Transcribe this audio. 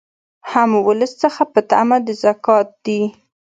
هم ولس څخه په طمع د زکات دي